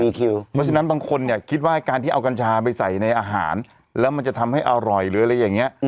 เพราะฉะนั้นบางคนเนี่ยคิดว่าการที่เอากัญชาไปใส่ในอาหารแล้วมันจะทำให้อร่อยหรืออะไรอย่างนี้